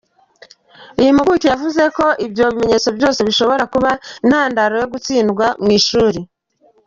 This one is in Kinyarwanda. Iyi mpuguke yavuze ko ibyo bimenyetso byose bishobora kuba intandaro yo gutsindwa mu ishuri.